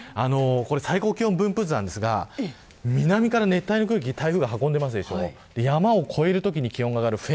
最高気温分布図ですが南から熱帯の空気を台風が運んでいます。